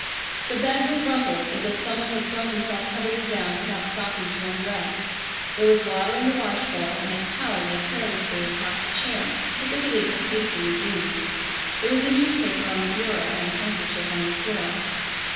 The bed was rumpled as if some one had thrown himself heavily down without stopping to undress. There was water in the washbowl and a towel lay carelessly across a chair as if it had been hastily used. There was a newspaper on the bureau and a handkerchief on the floor.